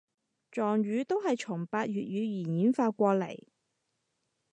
壯語都係從百越語言演化過禮